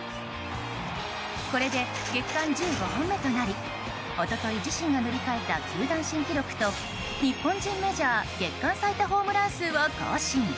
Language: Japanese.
これで月間１５本目となり一昨日、自身が塗り替えた球団新記録と日本人メジャー球団新記録を更新。